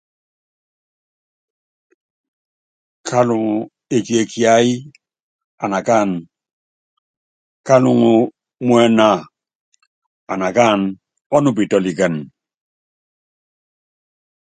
Kaluŋo ekie kiáyí anakáan, kalúŋu muɛnɛ́a, anakáana, ɔ́nupítɔ́likɛn.